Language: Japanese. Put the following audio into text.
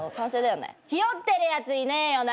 ひよってるやついねえよな？